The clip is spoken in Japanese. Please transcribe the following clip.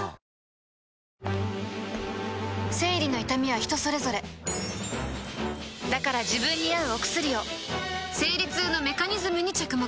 生理の痛みは人それぞれだから自分に合うお薬を生理痛のメカニズムに着目